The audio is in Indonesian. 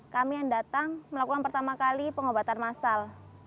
kami yang datang melakukan pertama kali pengobatan massal